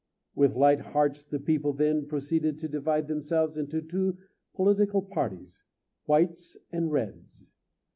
With light hearts the people then proceeded to divide themselves into two political parties Whites and Reds.